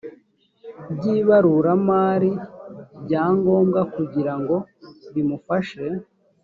by ibaruramari bya ngombwa kugira ngo bimufashe